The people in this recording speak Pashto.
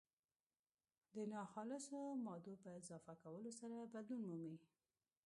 د ناخالصو مادو په اضافه کولو سره بدلون مومي.